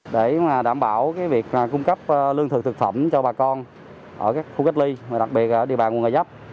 để đảm bảo việc cung cấp lương thực thực phẩm cho bà con ở khu cách ly đặc biệt ở địa bàn quận gò vấp